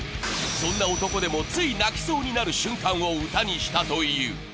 そんな男でもつい泣きそうになる瞬間を歌にしたという。